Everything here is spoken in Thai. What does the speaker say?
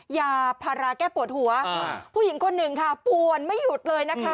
ยาพาราแก้ปวดหัวผู้หญิงคนหนึ่งค่ะป่วนไม่หยุดเลยนะคะ